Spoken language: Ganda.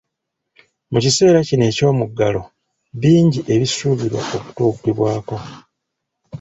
Mu kiseera kino eky'omuggalo, bingi ebisuubirwa okutuukibwako.